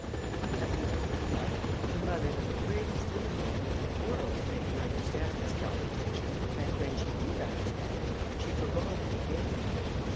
At the end of the month, her mother had the greatest difficulty in the world to make her understand this calculation, and when she did understand it, she forgot it again.